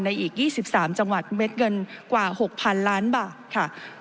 อีก๒๓จังหวัดเม็ดเงินกว่า๖๐๐๐ล้านบาทค่ะ